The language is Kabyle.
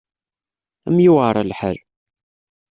Ad m-yuεer lḥal.